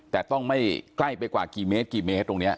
แต่ต้องไม่ใกล้ไปกว่ากี่เมตรตรงนี้